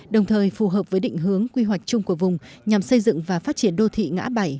đồng thời phù hợp với định hướng quy hoạch chung của vùng nhằm xây dựng và phát triển đô thị ngã bảy